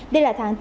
đây là tháng ba